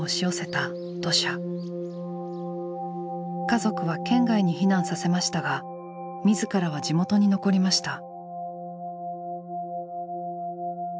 家族は県外に避難させましたが自らは地元に残りました。